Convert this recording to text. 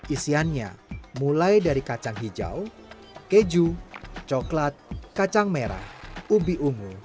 isiannya mulai dari kacang hijau keju coklat kacang merah ubi ungu